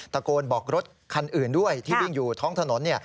ตะโกนบอกรถคันอื่นด้วยที่วิ่งอยู่ท้องถนน